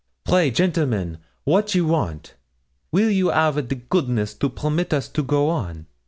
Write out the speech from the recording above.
'Pray, gentlemen, wat you want? weel a you 'av the goodness to permit us to go on?'